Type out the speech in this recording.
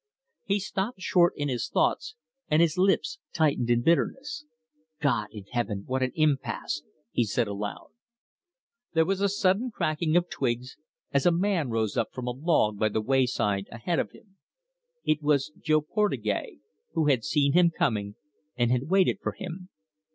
He stopped short in his thoughts, and his lips tightened in bitterness. "God in heaven, what an impasse!" he said aloud. There was a sudden crackling of twigs as a man rose up from a log by the wayside ahead of him. It was Jo Portugais, who had seen him coming, and had waited for him.